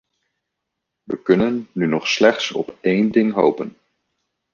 We kunnen nu nog slechts op één ding hopen.